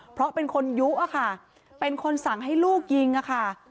เพราะเป็นคนยุอะค่ะเป็นคนสั่งให้ลูกยิงค่ะ